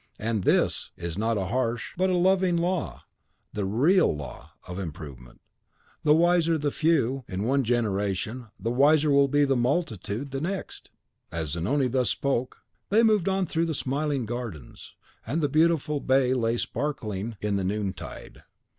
And THIS is not a harsh, but a loving law, the REAL law of improvement; the wiser the few in one generation, the wiser will be the multitude the next!" As Zanoni thus spoke, they moved on through the smiling gardens, and the beautiful bay lay sparkling in the noontide.